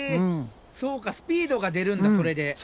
そうかスピードが出るんだそれで。